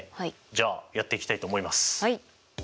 じゃあやっていきたいと思います。